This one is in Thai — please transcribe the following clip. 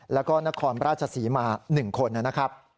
แล้วก็นครราชศรีมา๑คนนะครับ